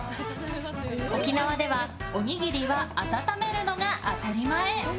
沖縄ではおにぎりは温めるのが当たり前。